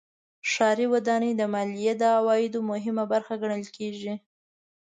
ښاري ودانۍ د مالیې د عوایدو مهمه برخه ګڼل کېږي.